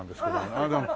あっどうも。